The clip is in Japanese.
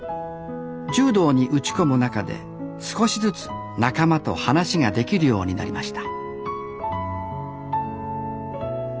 柔道に打ち込む中で少しずつ仲間と話ができるようになりました